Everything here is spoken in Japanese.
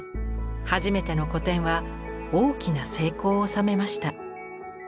初めての個展は大きな成功を収めました。